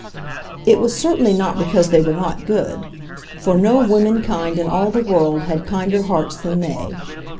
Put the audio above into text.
It was certainly not because they were not good, for no womenkind in all the world had kinder hearts than they.